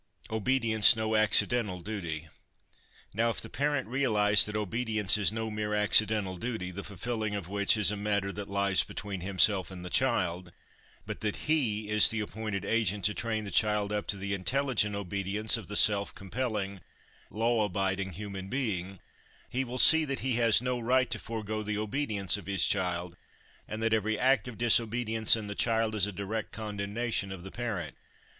Obedience no Accidental Duty. Now, if the parent realise that obedience is no mere accidental duty, the fulfilling of which is a matter that lies between himself and the child, but that he is the appointed agent to train the child up to the intelligent obedience of the self compelling, law abiding human being, he will see that he has no right to forego the obedience of his child, and that every act of dis obedience in the child is a direct condemnation of the parent.